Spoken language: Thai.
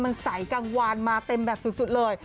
มันใสกลางวานมาเต็มแบบสุดเลย